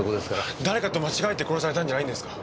誰かと間違えて殺されたんじゃないんですか？